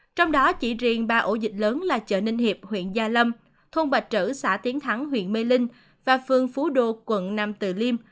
trong đó chỉ riêng ba ổ dịch lớn là chợ ninh hiệp huyện gia lâm thôn bạch trữ xã tiến thắng huyện mê linh và phường phú đô quận nam từ liêm